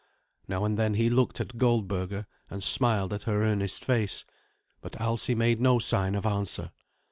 Now and then he looked at Goldberga, and smiled at her earnest face. But Alsi made no sign of answer.